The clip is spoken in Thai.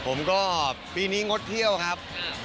ผมก็ปีนี้งดเที่ยวครับ